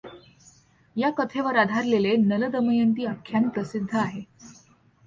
या कथेवर आधारलेले नल दमयंती आख्यान प्रसिद्ध आहे.